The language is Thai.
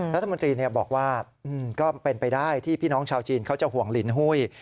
รัฐมนตรีบอกว่าก็เป็นไปได้ที่พี่น้องชาวจีนเขาจะห่วงลินหุ้ย